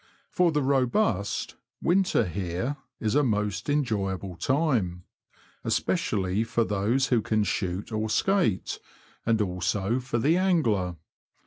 For the robust, winter here is a most enjoyable time, especially for those who can shoot or skate, and also for the angler.